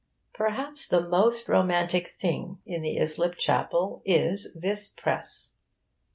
Perhaps the most romantic thing in the Islip Chapel is this press.